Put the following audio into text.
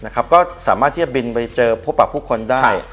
ก็สามารถที่จะบินไปเจอพบผู้คนได้